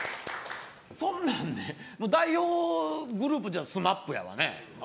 そんなん、代表グループだとＳＭＡＰやわね。